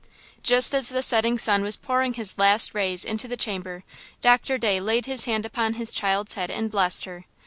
Just as the setting sun was pouring his last rays into the chamber Doctor Day laid his hand upon his child's head and blessed her.